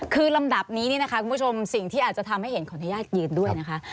คือลำดับนี้นะครับคุณผู้ชมสิ่งที่อาจจะทำให้เห็นของท่ายาทยืนด้วยนะครับ